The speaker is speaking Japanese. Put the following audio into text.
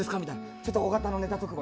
ちょっと大型のネタ特番。